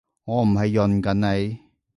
我唔係潤緊你